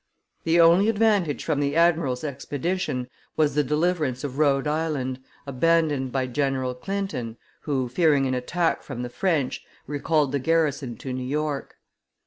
The only advantage from the admiral's expedition was the deliverance of Rhode Island, abandoned by General Clinton, who, fearing an attack from the French, recalled the garrison to New York.